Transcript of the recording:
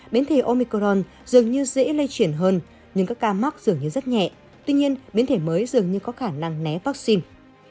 biến thể omicron dường như dễ lây chuyển hơn nhưng các ca mắc dường như rất nhẹ tuy nhiên biến thể mới dường như có khả năng né vaccine